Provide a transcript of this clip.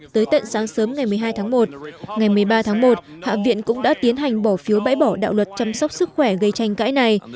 tới tận sáng sớm ngày một mươi hai tháng một ngày một mươi ba tháng một hạ viện cũng đã tiến hành bỏ phiếu bãi bỏ đạo luật chăm sóc sức khỏe gây tranh cãi này